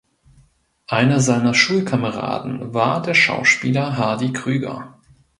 Einer seiner Schulkameraden war der Schauspieler Hardy Krüger.